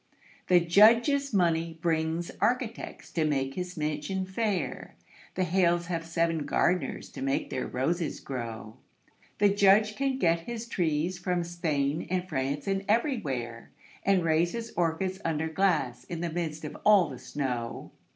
The Judge's money brings architects to make his mansion fair; The Hales have seven gardeners to make their roses grow; The Judge can get his trees from Spain and France and everywhere, And raise his orchids under glass in the midst of all the snow.